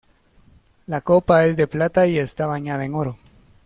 La Copa es de plata y está bañada en oro.